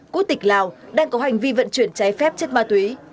quốc tịch lào đang có hành vi vận chuyển cháy phép chất ma túy